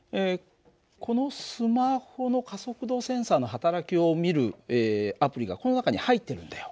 このスマホの加速度センサーの働きを見るアプリがこの中に入ってるんだよ。